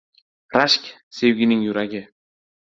• Rashk — sevgining yuragi.